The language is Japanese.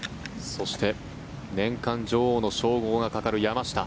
そして年間女王の称号がかかる山下。